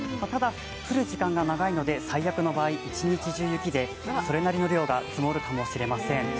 ただ降る時間が長いので、最悪の場合、一日中雪でそれなりの量が積もるかもしれません。